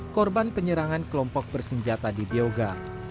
korban penyerangan kelompok bersenjata di bioga